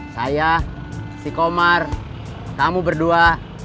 saya si komar tamu berdua